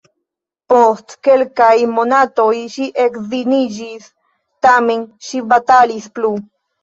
Post kelkaj monatoj ŝi edziniĝis, tamen ŝi batalis plu.